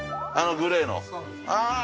あのグレーの？